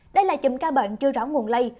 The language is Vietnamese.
đây là chùm ca bệnh chưa rõ nguồn lây